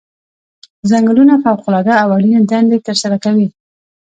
ځنګلونه فوق العاده او اړینې دندې ترسره کوي.